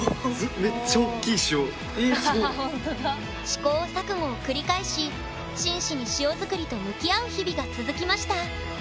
試行錯誤を繰り返し真摯に塩作りと向き合う日々が続きました。